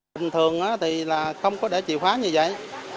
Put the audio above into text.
bình thường thì là không có để chìa khóa như vậy